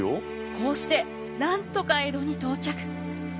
こうしてなんとか江戸に到着。